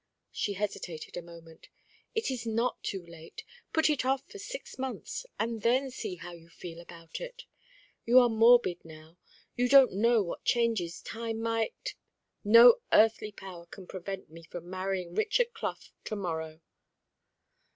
She hesitated a moment. "It is not too late. Put it off for six months, and then see how you feel about it. You are morbid now. You don't know what changes time might " "No earthly power can prevent me from marrying Richard Clough to morrow."